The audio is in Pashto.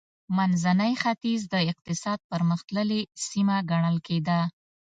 منځنی ختیځ د اقتصاد پرمختللې سیمه ګڼل کېده.